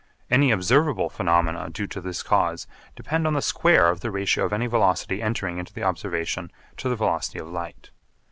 Any observable phenomena due to this cause depend on the square of the ratio of any velocity entering into the observation to the velocity of light.